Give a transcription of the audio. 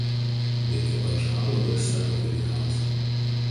Veikia Pandžabo universiteto filialas.